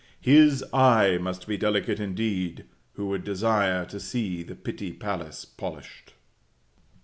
His eye must be delicate indeed, who would desire to see the Pitti palace polished.